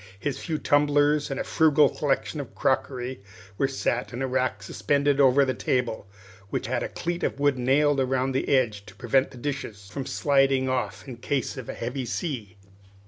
His few tumblers and a frugal collection of crockery were set in a rack suspended over the table, which had a cleat of wood nailed round the edge to prevent the dishes from sliding off in case of a heavy sea.